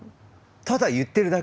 ただ言ってるだけ。